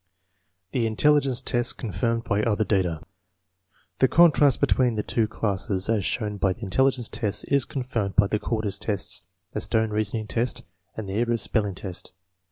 The intelligence tests confirmed by other data. The contrast between the two classes as shown by the intel ligence tests is confirmed by the Courtis tests, the Stone Reasoning test, and the Ayres Spelling lest.